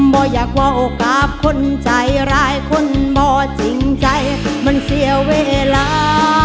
บอกอยากว่าโอกาสคนใจร้ายคนบ่จริงใจมันเสียเวลา